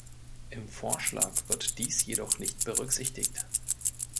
Im Vorschlag wird dies jedoch nicht berücksichtigt.